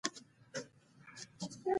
څلورم ماموریت وروسته فضايي سفر ودرېږي